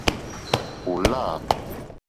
Ò lâ.